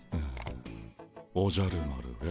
「おじゃる丸へ」